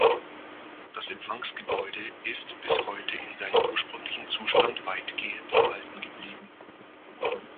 Das Empfangsgebäude ist bis heute in seinem ursprünglichen Zustand weitgehend erhalten geblieben.